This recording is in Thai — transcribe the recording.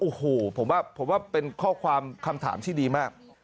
โอ้โหผมว่าผมว่าเป็นข้อความคำถามที่ดีมาก